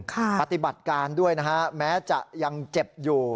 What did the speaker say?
ปฏิบัติการด้วยนะฮะแม้จะยังเจ็บอยู่